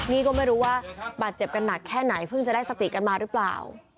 นี่ก็ไม่รู้ว่าบาดเจ็บกันหนักแค่ไหนเพิ่งจะได้สติกันมาหรือเปล่า